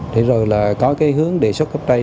để rồi là có cái hướng đề xuất gấp đây